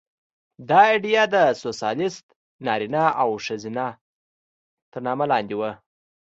دا ایډیا د سوسیالېست نارینه او ښځه تر نامه لاندې وه